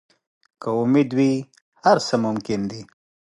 که امید وي، هر څه ممکن دي.